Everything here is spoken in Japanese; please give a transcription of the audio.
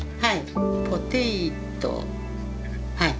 はい。